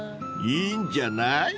［いいんじゃない？］